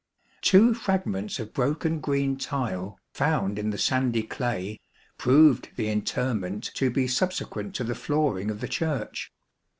Two fragments of broken green tile, found in the sandy clay, proved the interment to be subsequent to the flooring of the Church.